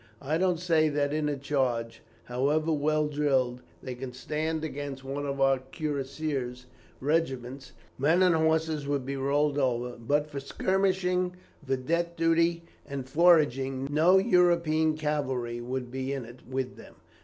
I don't say that in a charge, however well drilled, they could stand against one of our cuirassier regiments. Men and horses would be rolled over; but for skirmishing, vidette duty, and foraging, no European cavalry would be in it with them.